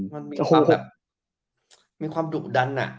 มันมีความแบบ